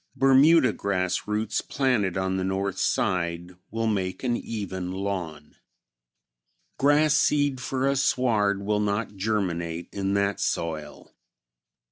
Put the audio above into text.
Bermuda grass roots planted on the north side will make an even lawn. Grass seed for a sward will not germinate in that soil.